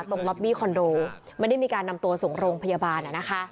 ล็อบบี้คอนโดไม่ได้มีการนำตัวส่งโรงพยาบาล